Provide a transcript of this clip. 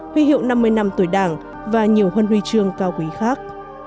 huy hiệu năm mươi năm tuổi đảng và nhiều huân huy chương cao quý khác